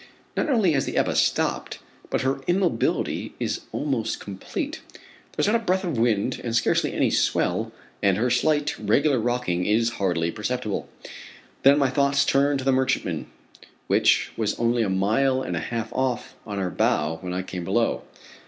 Not only has the Ebba stopped, but her immobility is almost complete. There is not a breath of wind, and scarcely any swell, and her slight, regular rocking is hardly perceptible. Then my thoughts turn to the merchantman, which was only a mile and a half off, on our bow, when I came below.